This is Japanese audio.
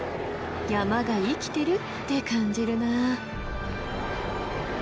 山が生きてるって感じるなあ。